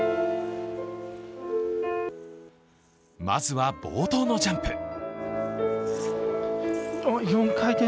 まずは、冒頭のジャンプ。